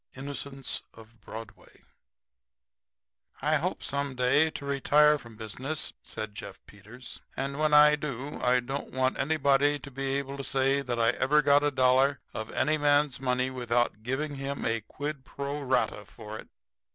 INNOCENTS OF BROADWAY "I hope some day to retire from business," said Jeff Peters; "and when I do I don't want anybody to be able to say that I ever got a dollar of any man's money without giving him a quid pro rata for it.